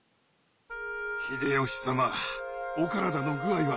秀吉様お体の具合は？